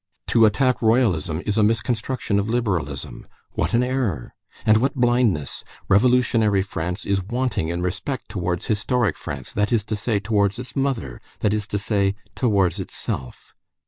To attack Royalism is a misconstruction of liberalism. What an error! And what blindness! Revolutionary France is wanting in respect towards historic France, that is to say, towards its mother, that is to say, towards itself.